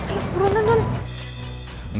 eh buruan nonton